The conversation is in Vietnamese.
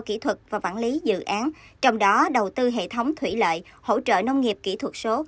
kỹ thuật và vản lý dự án trong đó đầu tư hệ thống thủy lợi hỗ trợ nông nghiệp kỹ thuật số